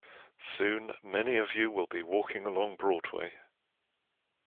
Soon many of you will be walking along Broadway.